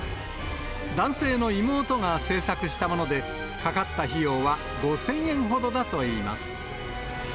男性の妹が製作したもので、かかった費用は５０００円ほどだといいます。